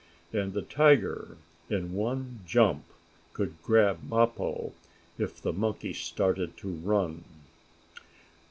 And the tiger, in one jump could grab Mappo if the monkey started to run.